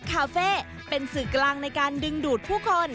คาเฟ่เป็นสื่อกลางในการดึงดูดผู้คน